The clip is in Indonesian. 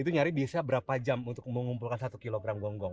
itu nyari bisa berapa jam untuk mengumpulkan satu kilogram gonggong